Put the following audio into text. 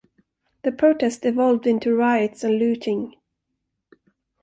The protest evolved into riots and looting.